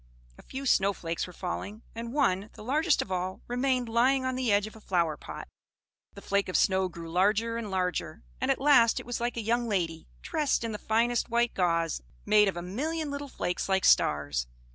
A few snow flakes were falling, and one, the largest of all, remained lying on the edge of a flower pot. The flake of snow grew larger and larger; and at last it was like a young lady, dressed in the finest white gauze, made of a million little flakes like stars.